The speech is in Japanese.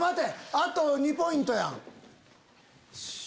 あと２ポイントやん。